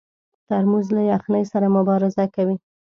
ترموز له یخنۍ سره مبارزه کوي.